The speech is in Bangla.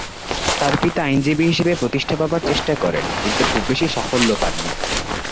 তার পিতা আইনজীবী হিসেবে প্রতিষ্ঠা পাবার চেষ্টা করেন কিন্তু খুব বেশি সাফল্য পননি।